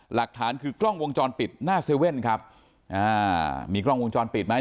หลักฐานคือกล้องวงจรปิดหน้าเซเว่นครับอ่ามีกล้องวงจรปิดไหม